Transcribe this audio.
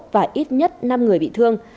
và ít nhất năm người bị thương